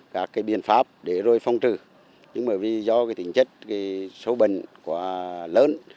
có các biện pháp để rồi phong trừ nhưng bởi vì do tính chất số bình quá lớn